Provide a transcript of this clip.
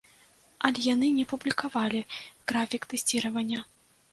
Але яны не публікавалі графік тэсціравання.